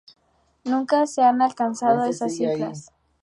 Nunca se han alcanzado esas cifras.